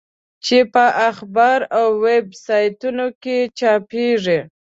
چې په اخبار او ویب سایټونو کې چاپېږي.